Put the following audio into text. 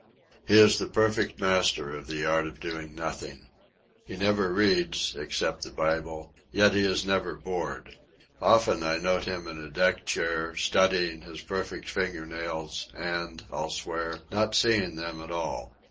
He is the perfect master of the art of doing nothing. He never reads, except the Bible; yet he is never bored. Often, I note him in a deck chair, studying his perfect finger nails, and, I'll swear, not seeing them at all.